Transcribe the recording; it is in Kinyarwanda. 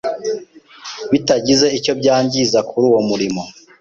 bitagize icyo byangiza kuri uwo murimo